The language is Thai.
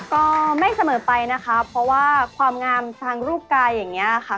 ก็ไม่เสมอไปนะคะเพราะว่าความงามทางรูปกายอย่างนี้ค่ะ